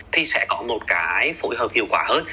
thì sẽ có một cái phối hợp hiệu quả hơn